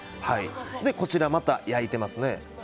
こちら、また焼いてますね。